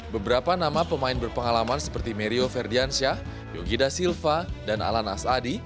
beberapa nama pemain berpengalaman seperti mario ferdiansyah yogida silva dan alan as adi